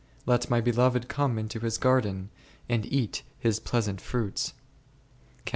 Let my Beloved come into His garden, and eat His pleasant fruits b .